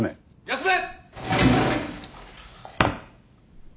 休め。